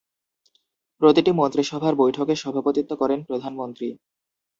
প্রতিটি মন্ত্রিসভার বৈঠকে সভাপতিত্ব করেন প্রধানমন্ত্রী।